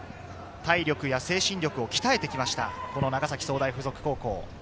体力精神力を鍛えて来ました、長崎総大附属高校。